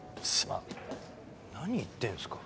何言ってんですか。